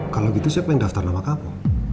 kalau gitu siapa yang daftar nama kamu